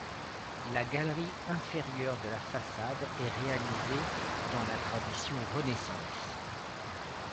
La galerie inférieure de la façade est réalisée dans la tradition Renaissance.